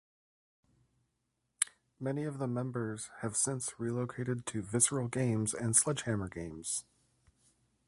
Many of the members have since relocated to Visceral Games and Sledgehammer Games.